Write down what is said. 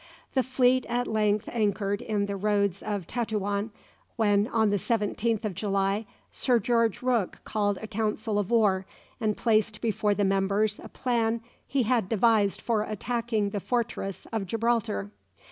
The fleet at length anchored in the roads of Tetuan, when, on the 17th of July, Sir George Rooke called a council of war, and placed before the members a plan he had devised for attacking the fortress of Gibraltar.